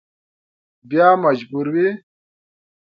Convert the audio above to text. بیا مجبور وي.